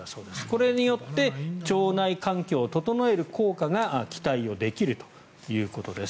これによって腸内環境を整える効果が期待できるということです。